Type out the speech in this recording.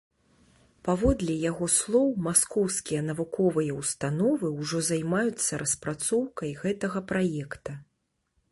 Паводле яго слоў, маскоўскія навуковыя ўстановы ўжо займаюцца распрацоўкай гэтага праекта.